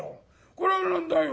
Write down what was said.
これは何だよ